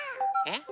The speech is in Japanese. えっ？